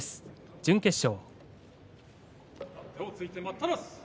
準決勝。